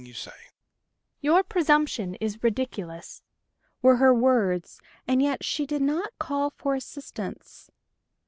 "Your presumption is ridiculous," were her words, and yet she did not call for assistance.